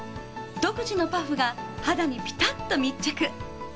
独自のパフが肌にピタッと密着。